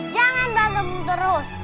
jangan banget nunggu terus